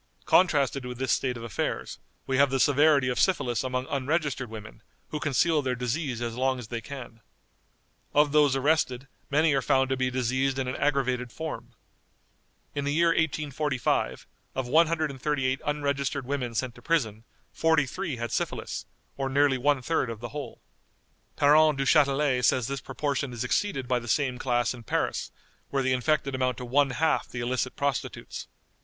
_ Contrasted with this state of affairs, we have the severity of syphilis among unregistered women, who conceal their disease as long as they can. Of those arrested, many are found to be diseased in an aggravated form. In the year 1845, of 138 unregistered women sent to prison, 43 had syphilis, or nearly one third of the whole. Parent Duchatelet says this proportion is exceeded by the same class in Paris, where the infected amount to one half the illicit prostitutes.